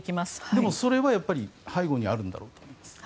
でも、それは背後にあるんだろうと思います。